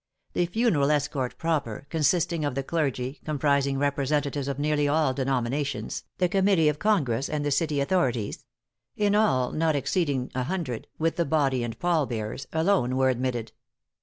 The funeral escort proper, consisting of the clergy, comprising representatives of nearly all denominations, the committee of Congress, and the city authorities in all, not exceeding a hundred, with the body and pall bearers, alone were admitted.